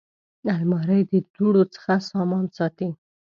الماري د دوړو څخه سامان ساتي